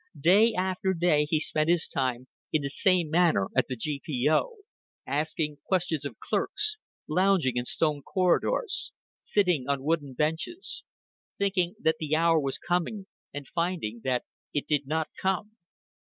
Day after day he spent his time in the same manner at the G.P.O. asking questions of clerks, lounging in stone corridors, sitting on wooden benches, thinking that the hour was coming and finding that it did not come.